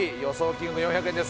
金額４００円です